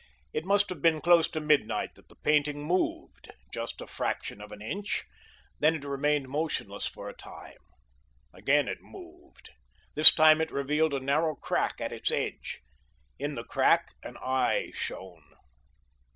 It must have been close to midnight that the painting moved—just a fraction of an inch. Then it remained motionless for a time. Again it moved. This time it revealed a narrow crack at its edge. In the crack an eye shone.